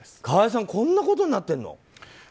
川井さんこんなことになってるの？